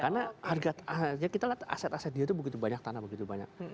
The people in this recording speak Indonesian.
karena kita lihat aset aset dia itu begitu banyak tanah begitu banyak